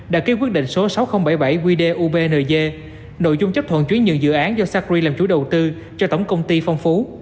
đã ký quyết định số sáu nghìn bảy mươi bảy qdubng nội dung chấp thuận chuyển nhượng dự án do sacri làm chủ đầu tư cho tổng công ty phong phú